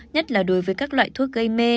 nhất là đối với các loại thuốc gây mê